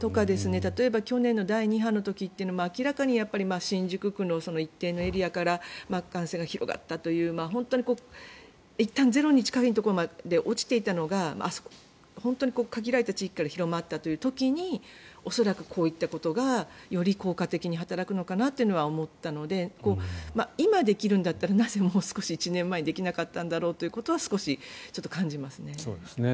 例えば、去年の第２波の時明らかに新宿区の一定のエリアから感染が広がったという本当にいったんゼロに近いところまで落ちていたのが限られた地域から広まったという時に恐らくこういったことがより効果的に働くのかなと思ったので今できるんだったらなぜ、もう少し、１年前にできなかったんだろうということは、少し感じますね。